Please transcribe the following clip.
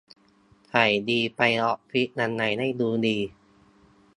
ใส่ยีนส์ไปออฟฟิศยังไงให้ดูดี